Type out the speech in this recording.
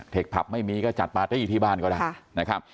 เทกผับไม่มีก็จัดปรับได้อยู่ที่บ้านก็ได้